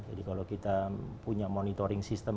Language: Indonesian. jadi kalau kita punya monitoring system